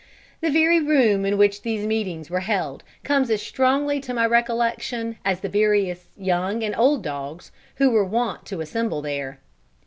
The very room in which these meetings were held comes as strongly to my recollection as the various young and old dogs who were wont to assemble there.